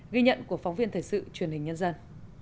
ghi nhận của phóng viên thời sự truyền hình nhân dân